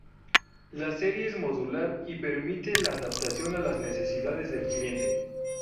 La serie es modular, y permite la adaptación a las necesidades del cliente.